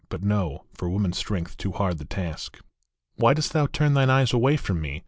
But no ; for woman s strength too hard the task. " Why dost thou turn thine eyes away from me ?